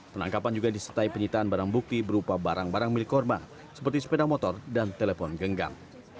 penangkapan juga disertai penyitaan barang bukti berupa barang barang milik korban seperti sepeda motor dan telepon genggam